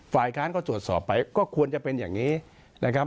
ฝ่ายค้านก็ตรวจสอบไปก็ควรจะเป็นอย่างนี้นะครับ